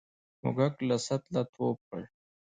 موږک له سطله ټوپ کړ.